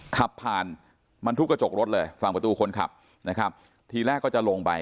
ขับผ่านมันทุกกระจกรถเลยฝั่งประตูคนขับนะครับทีแรกก็จะลงไป